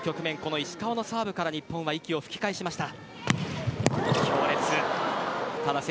石川のサーブから日本は息を吹き返しました。